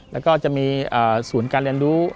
แล้วก็จะมีศูนย์การเรียนรู้